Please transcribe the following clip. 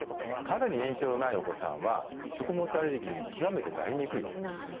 肌に炎症のないお子さんは食物アレルギーに極めてなりにくいです。